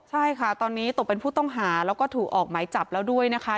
ใช่ค่ะตอนนี้ตกเป็นผู้ต้องหาแล้วก็ถูกออกหมายจับแล้วด้วยนะคะ